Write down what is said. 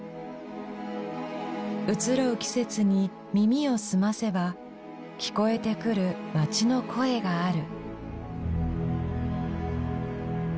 移ろう季節に耳を澄ませば聞こえてくる街の声がある。